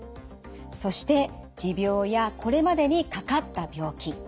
そして持病やこれまでにかかった病気。